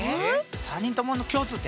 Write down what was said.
３人ともの共通点？